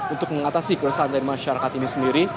untuk mengatasi keresahan dari masyarakat ini sendiri